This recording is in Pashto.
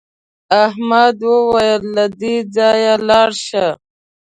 احمد وویل له دې ځایه لاړ شه.